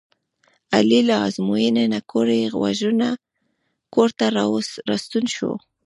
علي له ازموینې نه کوړی غوږونه کورته راستون شو.